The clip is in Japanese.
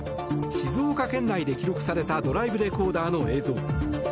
静岡県内で記録されたドライブレコーダーの映像。